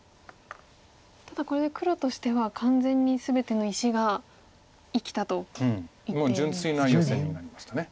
ただこれで黒としては完全に全ての石が生きたと言っていいんですね。